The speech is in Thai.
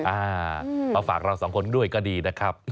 อ่ามาฝากเราสองคนด้วยก็ดีนะครับ